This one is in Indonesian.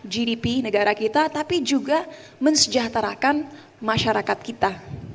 gdp negara kita tapi juga mensejahterakan masyarakat kita